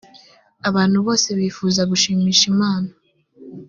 abantu bose bifuza gushimisha imana